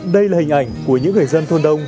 đây là hình ảnh của những người dân thôn đông